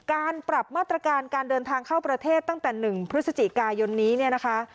การปรับมาตรการการเดินทางเข้าประเทศตั้งแต่๑พฤศจิกายนนี้เนี่ยนะคะ